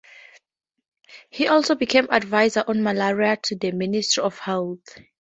He also became adviser on malaria to the Ministry of Health.